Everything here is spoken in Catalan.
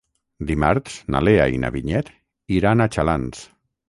Dimarts na Lea i na Vinyet iran a Xalans.